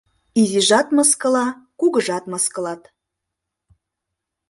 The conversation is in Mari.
Изижат мыскыла, кугужат мыскылат.